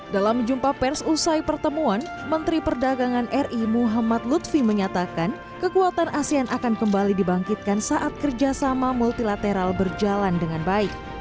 dalam jumpa pers usai pertemuan menteri perdagangan ri muhammad lutfi menyatakan kekuatan asean akan kembali dibangkitkan saat kerjasama multilateral berjalan dengan baik